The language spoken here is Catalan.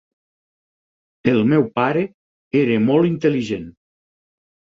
El meu pare era molt intel·ligent.